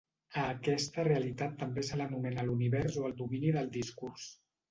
A aquesta realitat també se l'anomena l'univers o el domini del discurs.